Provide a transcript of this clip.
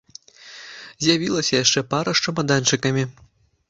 З'явілася яшчэ пара з чамаданчыкамі.